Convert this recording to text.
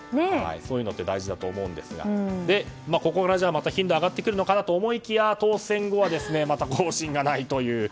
そういうのって大事だと思いますがここから頻度上がってくるのかなと思いきや当選後はまた更新がないという。